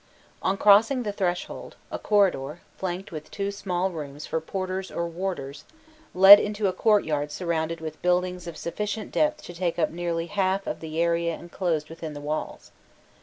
On crossing the threshold, a corridor, flanked with two small rooms for porters or warders, led into a courtyard surrounded with buildings of sufficient depth to take up nearly half of the area enclosed within the walls.